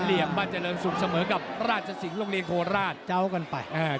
เดินสมัยด้วย